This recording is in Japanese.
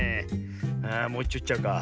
あもういっちょいっちゃおうか。